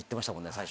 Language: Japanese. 最初。